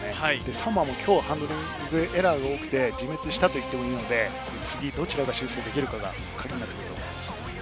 サモアも、きょう、ハンドリングエラーが多くて自滅したと言ってもいいので、次どちらが修正できるか課題になってくると思います。